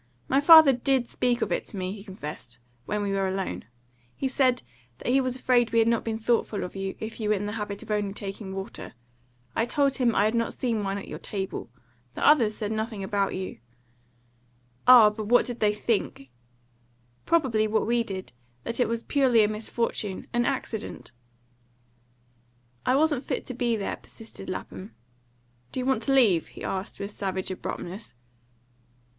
My father DID speak of it to me," he confessed, "when we were alone. He said that he was afraid we had not been thoughtful of you, if you were in the habit of taking only water; I told him I had not seen wine at your table. The others said nothing about you." "Ah, but what did they think?" "Probably what we did: that it was purely a misfortune an accident." "I wasn't fit to be there," persisted Lapham. "Do you want to leave?" he asked, with savage abruptness.